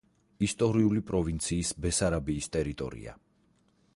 ისტორიული პროვინციის ბესარაბიის ტერიტორია.